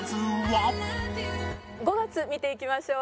５月見ていきましょう。